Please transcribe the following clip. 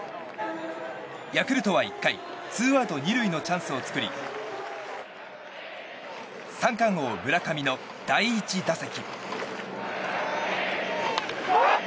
ヤクルトは１回ツーアウト２塁のチャンスを作り三冠王・村上の第１打席。